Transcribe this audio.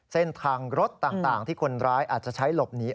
เส้นทางรถต่างที่คนร้ายอาจจะใช้หลบหนี